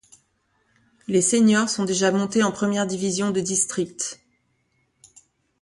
Les seniors sont déjà montés en première division de district.